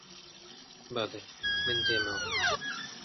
بەڵێ، من دێمەوە